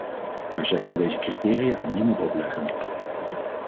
Maar zij kan deze criteria aan niemand opleggen.